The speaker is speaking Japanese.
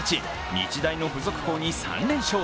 日大の付属校に３連勝。